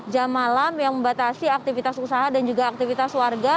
jam malam yang membatasi aktivitas usaha dan juga aktivitas warga